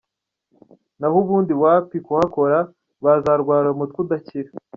nahubundi wapi kuhakora wazarwara umutwe udakira.